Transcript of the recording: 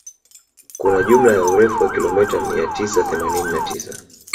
Kuna jumla ya urefu wa kilomita mia tisa themanini na tisa